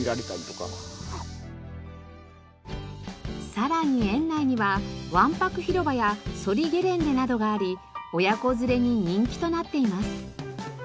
さらに園内にはわんぱく広場やソリゲレンデなどがあり親子連れに人気となっています。